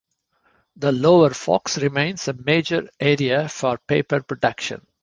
The Lower Fox remains a major area for paper production.